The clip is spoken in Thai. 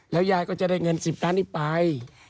ยายก็จะได้เงิน๑๐ล้านนี้ไป